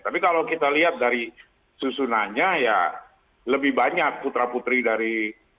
tapi kalau kita lihat dari susunannya ya lebih banyak putra putri dari